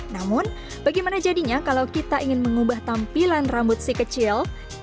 namun bagaimana jadinya kalau kita ingin mengubah tampilan rambut si kecil